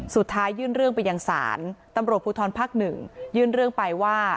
สุดท้ายยื่นเรื่องไปยังสารตำรวจภูทรภักดิ์๑ยื่นเรื่องไปว่า